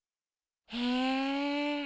へえ。